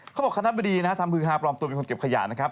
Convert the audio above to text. เขาบอกว่าคณะบดีทำภือฮาปลอมตัวเป็นคนเก็บขยะนะครับ